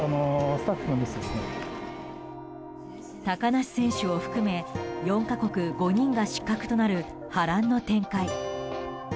高梨選手を含め４か国５人が失格となる波乱の展開。